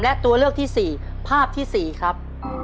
และตัวเลือกที่๔ภาพที่๔ครับ